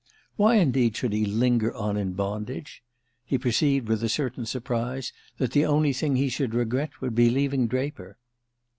Why indeed should he linger on in bondage? He perceived with a certain surprise that the only thing he should regret would be leaving Draper.